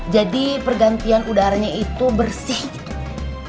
jadi pergantian udaranya itu bersih gitu